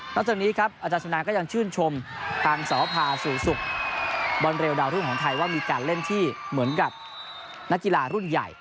แล้วจากนี้ครับอาจารย์สุนาก็ยังชื่นชมทางสวภาสู่ศุกร์บอลเร็วดาวรุ่งของไทยว่ามีการเล่นที่เหมือนกับนักกีฬารุ่นใหญ่